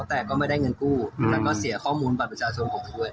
แต่ก็ไม่ได้เงินกู้แล้วก็เสียข้อมูลบัตรประชาชนออกไปด้วย